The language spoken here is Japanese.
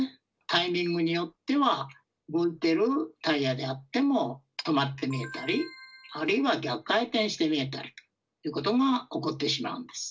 タイミングによっては動いているタイヤであっても止まって見えたりあるいは逆回転して見えたりということが起こってしまうんです。